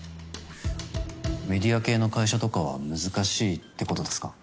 メディア系の会社とかは難しいってことですか？